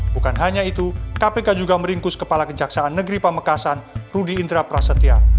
bukan hanya itu kpk juga meringkus kepala kejaksaan negeri pamekasan rudy indra prasetya